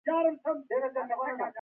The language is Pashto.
خټکی د عضلو درد کموي.